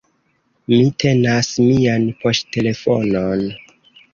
Mi tenas mian poŝtelefonon.